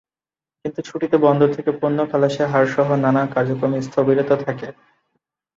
কিন্তু ছুটিতে বন্দর থেকে পণ্য খালাসের হারসহ নানা কার্যক্রমে স্থবিরতা থাকে।